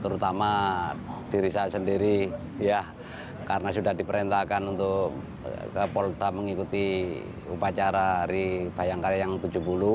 terutama diri saya sendiri ya karena sudah diperintahkan untuk ke polda mengikuti upacara hari bayangkara yang tujuh puluh